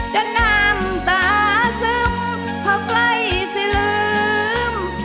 จะน้ำตาซึมเพราะใกล้สิลืม